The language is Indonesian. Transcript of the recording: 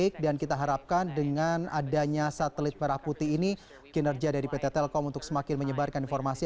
baik dan kita harapkan dengan adanya satelit merah putih ini kinerja dari pt telkom untuk semakin menyebarkan informasi